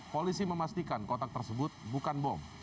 polisi memastikan kotak tersebut bukan bom